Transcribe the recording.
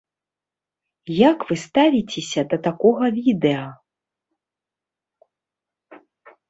Як вы ставіцеся да такога відэа?